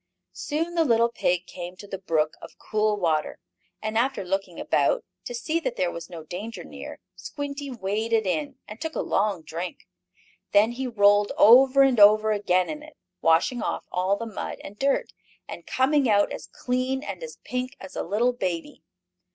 Soon the little pig came to the brook of cool water, and after looking about, to see that there was no danger near, Squinty waded in, and took a long drink. Then he rolled over and over again in it, washing off all the mud and dirt, and coming out as clean and as pink as a little baby.